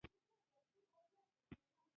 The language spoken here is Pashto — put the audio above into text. غول د غلط نظم نغوته ده.